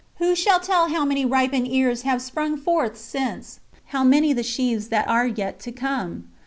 Who shall tell how many ripened ears have sprung forth since, how many the sheaves that are yet to come?